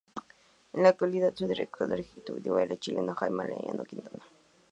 En la actualidad, su Director Ejecutivo es el chileno Jaime Arellano Quintana.